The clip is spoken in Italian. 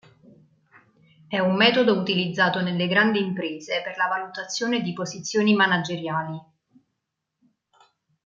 È un metodo utilizzato nelle grandi imprese per la valutazione di posizioni manageriali.